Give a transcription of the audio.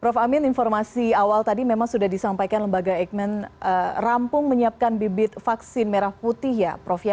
prof amin informasi awal tadi memang sudah disampaikan lembaga eijkman rampung menyiapkan bibit vaksin merah putih ya prof ya